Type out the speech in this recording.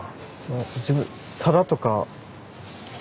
自分皿とか。